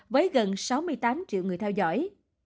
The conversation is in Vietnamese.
với gần sáu mươi tám triệu người theo dõi